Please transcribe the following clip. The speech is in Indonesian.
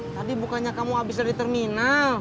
tadi bukannya kamu habis dari terminal